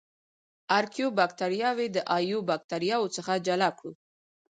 ارکیو باکتریاوې د ایو باکتریاوو څخه جلا کړو.